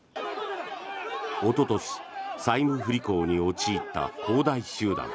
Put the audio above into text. おととし、債務不履行に陥った恒大集団。